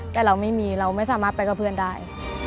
แต่เราไม่มีเราไม่สามารถไปกับเพื่อนได้